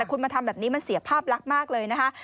คุณมาทำแบบนี้มันเสียภาพลักษณ์มากเลยนะคะ